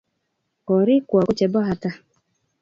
Korikwok ko chebo hata?